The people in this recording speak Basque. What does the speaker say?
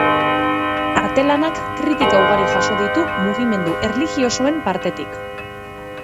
Artelanak kritika ugari jaso ditu mugimendu erlijiosoen partetik.